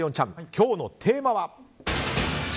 今日のテーマは？